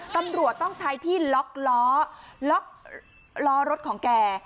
ตำรวจต้องใช้ที่ล็อกล้อรถของแก